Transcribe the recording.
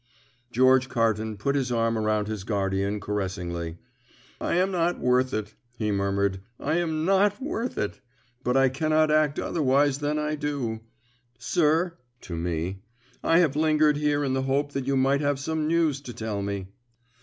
George Carton put his arm around his guardian caressingly. "I am not worth it," he murmured; "I am not worth it; but I cannot act otherwise than I do. Sir" to me "I have lingered here in the hope that you might have some news to tell me."